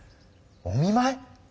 お見まい？